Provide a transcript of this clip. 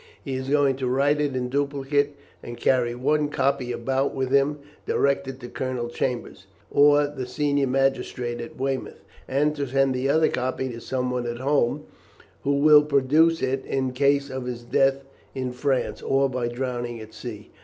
He is going to write it in duplicate, and carry one copy about with him, directed to Colonel Chambers, or the senior magistrate at Weymouth, and to send the other copy to someone at home, who will produce it in case of his death in France, or by drowning at sea.